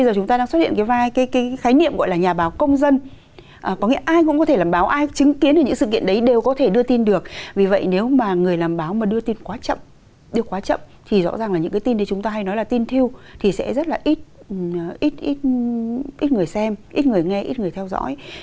rõ ràng là những cái tin đến chúng ta hay nói là tin thiêu thì sẽ rất là ít người xem ít người nghe ít người theo dõi